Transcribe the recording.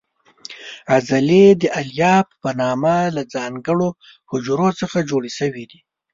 عضلې د الیاف په نامه له ځانګړو حجرو څخه جوړې شوې دي.